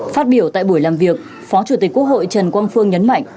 phát biểu tại buổi làm việc phó chủ tịch quốc hội trần quang phương nhấn mạnh